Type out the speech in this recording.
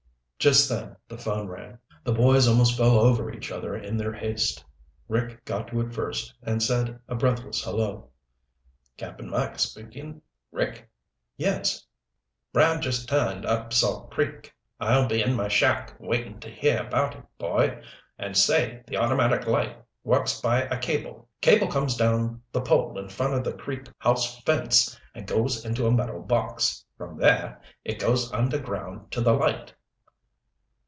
Just then the phone rang. The boys almost fell over each other in their haste. Rick got to it first and said a breathless hello. "Cap'n Mike speaking. Rick?" "Yes!" "Brad just turned up Salt Creek. I'll be in my shack waiting to hear about it, boy. And say, the automatic light works by a cable. Cable comes down the pole in front of the Creek House fence and goes into a metal box. From there it goes underground to the light."